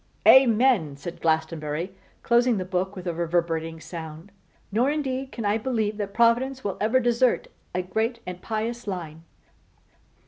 'Amen!' said Glastonbury, closing the book with a reverberating sound. 'Nor indeed can I believe that Providence will ever desert a great and pious line!